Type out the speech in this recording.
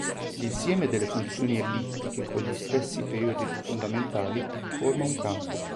L'insieme delle funzioni ellittiche con gli stessi periodi fondamentali forma un campo.